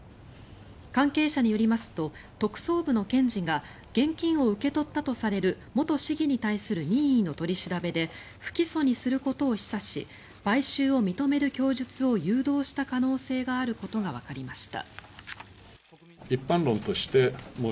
関係者によりますと特捜部の検事が現金を受け取ったとされる元市議に対する任意の取り調べで不起訴にすることを示唆し買収を認める供述を誘導した可能性があることがわかりました。